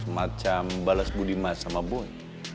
macam balas budi mas sama boy